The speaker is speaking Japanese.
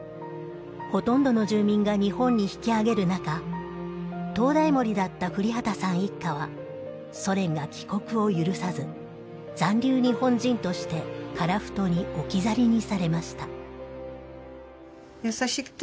ほとんどの住民が日本に引き揚げるなか灯台守だった降籏さん一家はソ連が帰国を許さず残留日本人として樺太に置き去りにされました。